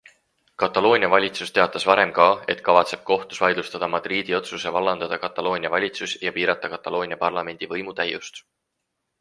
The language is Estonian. Kataloonia valitsus teatas varem ka, et kavatseb kohtus vaidlustada Madridi otsuse vallandada Kataloonia valitsus ja piirata Kataloonia parlamendi võimutäiust.